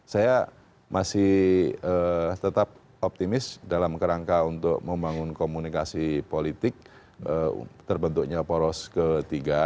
saya masih tetap optimis dalam kerangka untuk membangun komunikasi politik terbentuknya poros ketiga